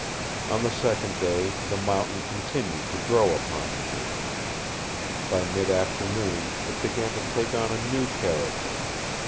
On the second day the mountain continued to grow upon Kent. By mid afternoon it began to take on a new character.